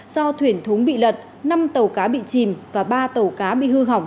do thuyền thúng bị lật năm tàu cá bị chìm và ba tàu cá bị hư hỏng